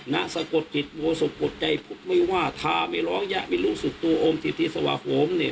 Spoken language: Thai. น่ะสกดจิตโมสกดใจพุกไม่ว่าทาไม่ร้องแยะไม่รู้สุทธิ์ตัวอมทิศวะโคมนี่